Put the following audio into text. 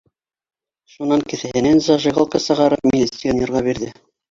Шунан кеҫәһе- и ш зажигалка сығарып милиционерға бирҙе